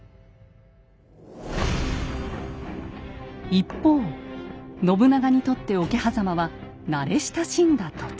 一方信長にとって桶狭間は慣れ親しんだ土地。